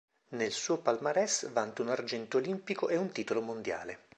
Nel suo palmarès vanta un argento olimpico e un titolo mondiale.